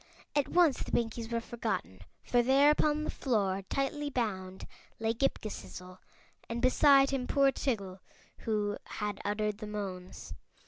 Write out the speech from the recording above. At once the Pinkies were forgotten, for there upon the floor, tightly bound, lay Ghip Ghisizzle, and beside him poor Tiggle, who had uttered the moans.